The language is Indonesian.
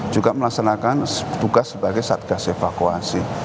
juga melaksanakan tugas sebagai satgas evakuasi